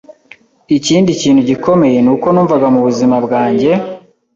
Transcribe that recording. Ikindi kintu gikomeye nuko numvaga mu buzima bwanjye